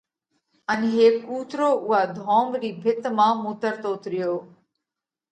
ان هيڪ ڪُوترو اُوئا ڌوم رِي ڀِت مانه مُوترتوت ريو۔